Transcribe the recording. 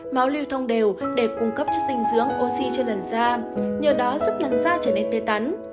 máu lưu thông đều để cung cấp chất dinh dưỡng oxy cho làn da nhờ đó giúp lần da trở nên tê tắn